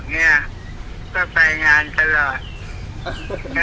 เนี่ยก็ไปงานตลอด